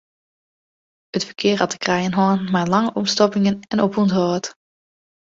It ferkear hat te krijen hân mei lange opstoppingen en opûnthâld.